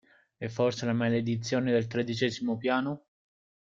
È forse la maledizione del tredicesimo piano?